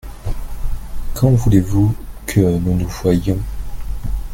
Quand voulez-vous que nous nous voyions.